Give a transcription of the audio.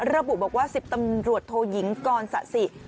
ระบุบอกว่า๑๐ตำรวจโทยิงกรสะสิ